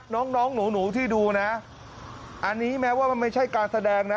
น้องน้องหนูที่ดูนะอันนี้แม้ว่ามันไม่ใช่การแสดงนะ